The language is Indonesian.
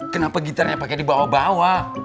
kenapa gitarnya pake di bawah bawah